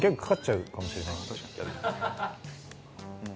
確かに。